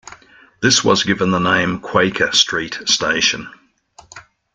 This was given the name Quaker Street Station.